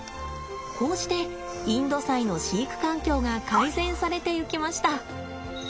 こうしてインドサイの飼育環境が改善されていきました。